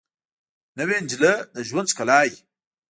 نوې نجلۍ د ژوند ښکلا وي